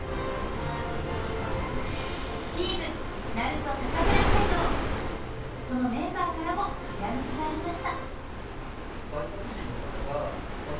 チームそのメンバーからもヒラメキがありました。